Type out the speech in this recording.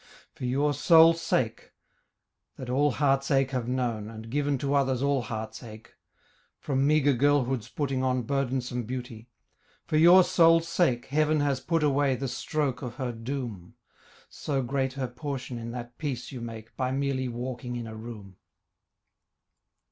For your sole sake that all heart's ache have known, And given to others all heart's ache, From meagre girlhood's putting on Burdensome beauty for your sole sake Heaven has put away the stroke of her doom, So great her portion in that peace you make By merely walking in a room.